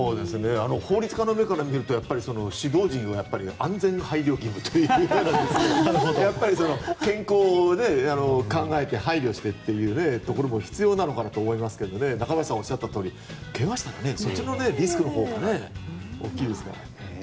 法律家の目から見ると指導陣は安全配慮義務というか健康を考えて配慮してというところも必要なのかもと思いますが中林さんがおっしゃったとおり怪我をしたらそっちのリスクのほうが大きいですから。